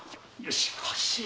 しかし。